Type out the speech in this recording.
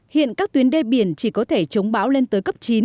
hiện các tuyến đê biển chỉ có thể chống bão lên tới cấp chín